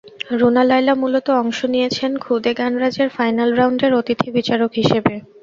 রুনা লায়লা মূলত অংশ নিয়েছেন ক্ষুদে গানরাজের ফাইনাল রাউন্ডের অতিথি বিচারক হিসেবে।